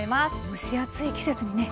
蒸し暑い季節にね